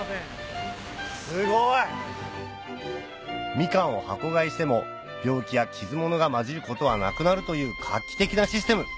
みかんを箱買いしても病気や傷物が交じることはなくなるという画期的なシステム